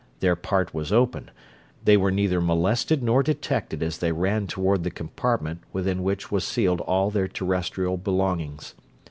Their part was open, they were neither molested nor detected as they ran toward the compartment within which was sealed all their Terrestrial belongings.